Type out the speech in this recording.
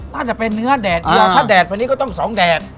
น่าจะเป็นเนื้อแดดเดียวถ้าแดดวันนี้ก็ต้องสองแดด